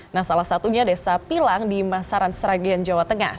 nah salah satunya desa pilang di masaran seragian jawa tengah